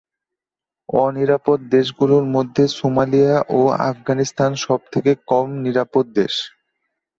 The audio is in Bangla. অনিরাপদ দেশগুলোর মধ্যে সোমালিয়া ও আফগানিস্তান সব থেকে কম নিরাপদ দেশ।